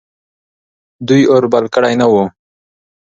دوی اور بل کړی نه و.